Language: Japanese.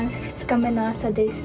２日目の朝です